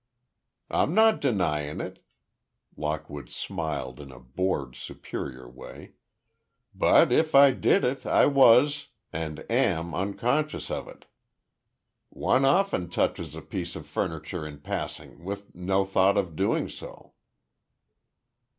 "I'm not denying it"—Lockwood smiled in a bored, superior way, "but if I did it, I was—and am unconscious of it. One often touches a piece of furniture in passing with no thought of doing so."